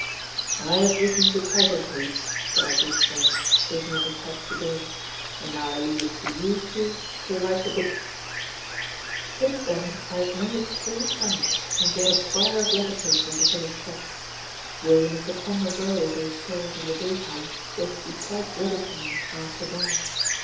"I have written the title page," said our good friend, taking up his hat to go. "And now I leave it to you two to write the book." Since then I have mended four pens and bought a quire of letter paper at the village shop. William is to ponder well over his stories in the daytime, so as to be quite ready for me "after dark."